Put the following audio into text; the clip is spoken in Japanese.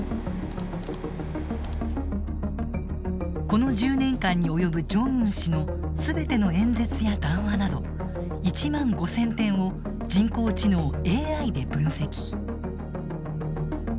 この１０年間に及ぶジョンウン氏の全ての演説や談話など１万５，０００点を人工知能ＡＩで分析。